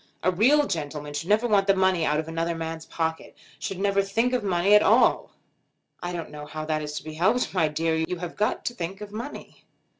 A real gentleman should never want the money out of another man's pocket; should never think of money at all." "I don't know how that is to be helped, my dear. You have got to think of money."